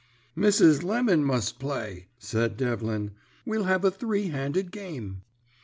"'Mrs. Lemon must play,' said Devlin; 'we'll have a three handed game.'